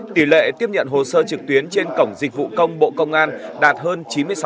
tỷ lệ tiếp nhận hồ sơ trực tuyến trên cổng dịch vụ công bộ công an đạt hơn chín mươi sáu